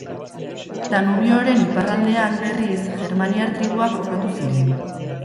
Danubioren iparraldean, berriz, germaniar tribuak kokatu ziren.